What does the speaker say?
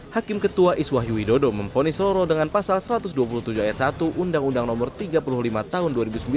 hakim ketua iswah yu widodo memfonis roro dengan pasal satu ratus dua puluh tujuh ayat satu undang undang no tiga puluh lima tahun dua ribu sembilan